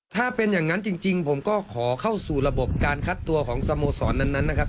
ถ้าเป็นอย่างนั้นจริงผมก็ขอเข้าสู่ระบบการคัดตัวของสโมสรนั้นนะครับ